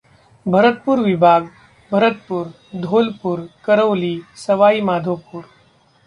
भरतपूर विभाग भरतपुर, धोलपुर, करौली सवाई माधोपुर.